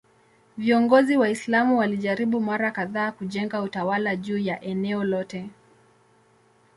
Viongozi Waislamu walijaribu mara kadhaa kujenga utawala juu ya eneo lote.